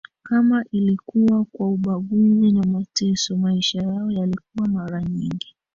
kama ilikuwa kwa ubaguzi na mateso Maisha yao yalikuwa mara nyingi